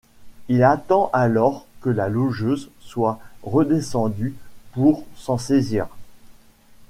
Il attend alors que la logeuse soit redescendue pour s'en saisir.